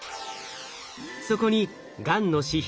そこにがんの指標